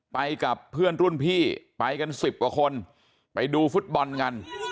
ไปกับเพื่อนรุ่นพี่ไปกันสิบกว่าคนไปดูฟุตบอลกัน